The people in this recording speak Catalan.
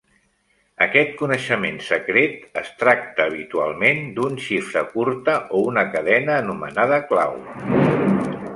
Aquest coneixement secret es tracta habitualment d'un xifra curta o una cadena anomenada "clau".